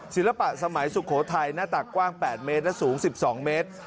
ศิลปะสมัยสุโขทัยหน้าตักกว้าง๘เมตรและสูง๑๒เมตร